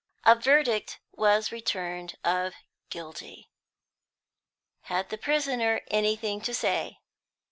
A verdict was returned of "Guilty." Had the prisoner anything to say?